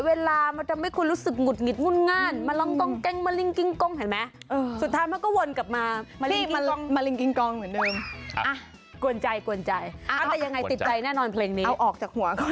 เหมือนเป็นผีบ้าเหรออ่ะ